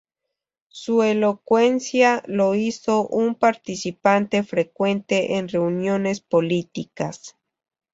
Su elocuencia, lo hizo un participante frecuente en reuniones políticas.